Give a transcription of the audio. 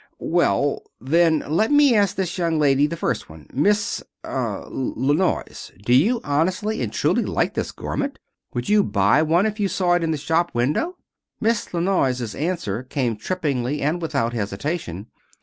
"Well, then, let me ask this young lady the first one. Miss er La Noyes, do you honestly and truly like this garment? Would you buy one if you saw it in a shop window?" Miss La Noyes' answer came trippingly and without hesitation.